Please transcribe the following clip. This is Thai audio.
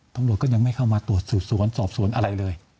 ตำรวจก็ยังไม่เข้ามาตรวจสืบสวนสอบสวนอะไรเลย